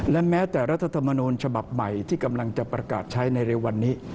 และแม้แต่รัฐธรรมนูญฉบับใหม่ที่กำลังจะประกาศใช้ในเร็ววันนี้